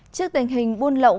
trước tình hình buôn lộng